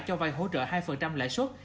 cho vay hỗ trợ hai lãi suất